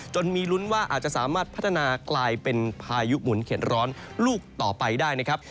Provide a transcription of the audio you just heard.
มีลุ้นว่าอาจจะสามารถพัฒนากลายเป็นพายุหมุนเข็นร้อนลูกต่อไปได้นะครับ